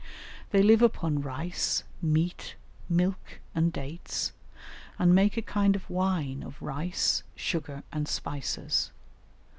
They live upon rice, meat, milk, and dates, and make a kind of wine of rice, sugar, and spices.